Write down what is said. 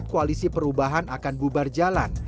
koalisi perubahan akan bubar jalan